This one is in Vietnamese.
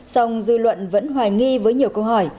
song dư luận vẫn hoài nghi với nhiều câu hỏi